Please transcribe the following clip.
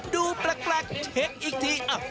ดูแปลกเช็คอีกที